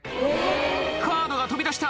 カードが飛び出した！